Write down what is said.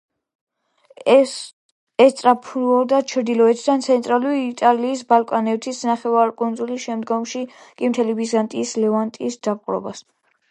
ესწრაფვოდა ჩრდილოეთი და ცენტრალური იტალიის, ბალკანეთის ნახევარკუნძულის, შემდგომში კი მთელი ბიზანტიის, ლევანტის დაპყრობას.